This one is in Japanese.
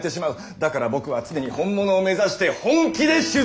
だから僕は常に「本物」を目指して本気で取材をしているッ！